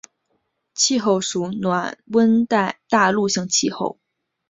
气候属暖温带大陆性季风气候。